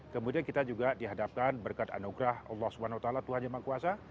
kemudian kita juga dihadapkan berkat anugerah allah swt tuhan yang maha kuasa